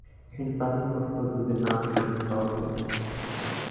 এখানে প্রাচীন প্রস্তর যুগের নানা নিদর্শন পাওয়া গিয়েছে।